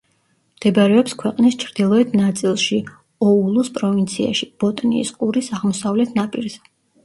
მდებარეობს ქვეყნის ჩრდილოეთ ნაწილში, ოულუს პროვინციაში, ბოტნიის ყურის აღმოსავლეთ ნაპირზე.